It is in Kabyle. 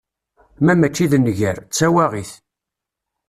Ma mačči d nnger, d tawaɣit.